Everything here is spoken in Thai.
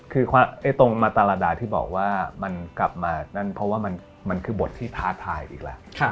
คือตรงมาตรดาที่บอกว่ามันกลับมานั่นเพราะว่ามันคือบทที่ท้าทายอีกแล้ว